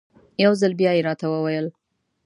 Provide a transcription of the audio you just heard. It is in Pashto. یو ځل بیا یې راته وویل.